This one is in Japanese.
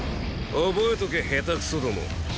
覚えとけ下手くそども。